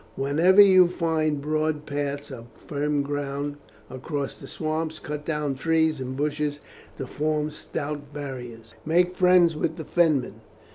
Whenever you find broad paths of firm ground across the swamps, cut down trees and bushes to form stout barriers. "Make friends with the Fenmen.